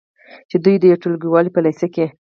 چې د یوې ټولګیوالې یې په لیسه کې